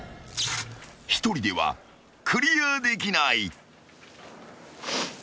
［１人ではクリアできない］